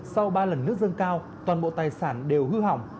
sau ba lần nước dâng cao toàn bộ tài sản đều hư hỏng